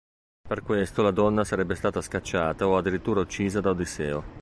Per questo la donna sarebbe stata scacciata o addirittura uccisa da Odisseo.